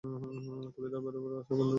প্রতিটা বেরোবার রাস্তা বন্ধ করে দাও।